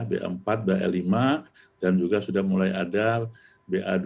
b empat b lima dan juga sudah mulai ada ba dua tujuh puluh lima